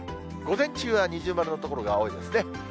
午前中は二重丸の所が多いですね。